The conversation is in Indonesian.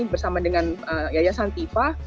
bersama dengan yayasan tifa